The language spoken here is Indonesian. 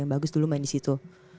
yang bagus dulu main di situ